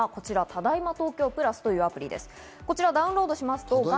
「ただいま東京プラス」というアプリです。